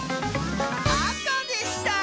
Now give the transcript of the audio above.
あかでした！